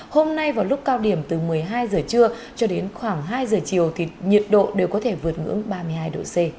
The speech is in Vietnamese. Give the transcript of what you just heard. hôm nay vào lúc cao điểm từ một mươi hai giờ trưa cho đến khoảng hai giờ chiều thì nhiệt độ đều có thể vượt ngưỡng ba mươi hai độ c